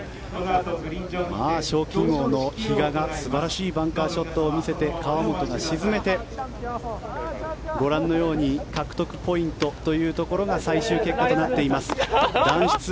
賞金王の比嘉が素晴らしいバンカーショットを見せて河本が沈めて２１ポイントというところが最終結果となっています。